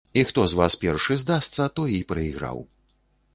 І хто з вас першы здасца, той і прайграў.